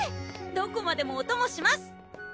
どこまでもおともします！